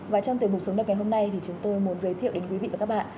và trong tiềm mục sống đẹp ngày hôm nay thì chúng tôi muốn giới thiệu đến quý vị và các bạn